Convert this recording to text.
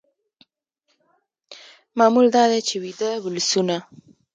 معمول دا دی چې ویده ولسونه